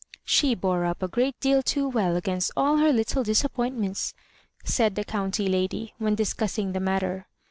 ^" She bore up a great deal too weU against all her little disappointments," said the county lady, when discussing the matter.